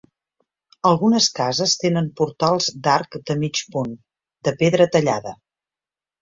Algunes cases tenen portals d'arc de mig punt, de pedra tallada.